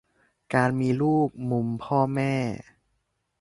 - การมีลูก มุมพ่อแม่